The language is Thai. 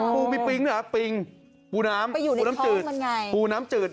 ปูมีปริงปูน้ำปูน้ำจืด